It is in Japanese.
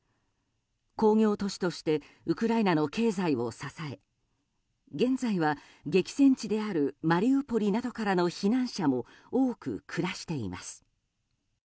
工業都市としてウクライナの経済を支え現在は激戦地であるマリウポリなどからの避難者も多く暮らしています。